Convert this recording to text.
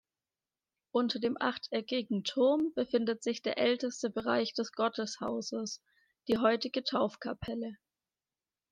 Unter dem achteckigen Turm befindet sich der älteste Bereich des Gotteshauses, die heutige Taufkapelle.